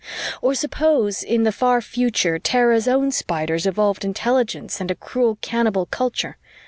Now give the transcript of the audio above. Or suppose, in the far future, Terra's own spiders evolved intelligence and a cruel cannibal culture.